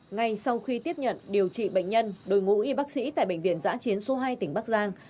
ngay sau khi tiếp nhận điều trị bệnh nhân đội ngũ y bác sĩ tại bệnh viện giã chiến số hai tỉnh bắc giang